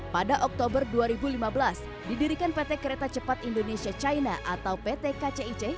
pada oktober dua ribu lima belas didirikan pt kereta cepat indonesia china atau pt kcic